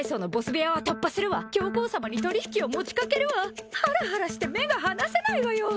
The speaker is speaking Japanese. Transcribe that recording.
部屋は突破するわ教皇様に取り引きを持ちかけるわハラハラして目が離せないわよ